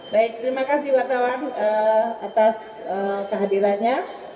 baik terima kasih wartawan atas kehadirannya